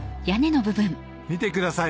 見てください